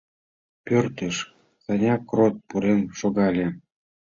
Пӧртыш Саня Крот пурен шогале: